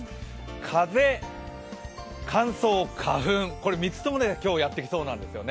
風、乾燥、花粉、これ３つとも今日、やってきそうなんですよね。